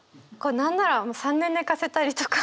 何なら３年寝かせたりとか。